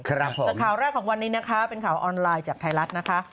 จากข่าวแรกของวันนี้นะคะเป็นข่าวออนไลน์จากไทยรัฐนะคะ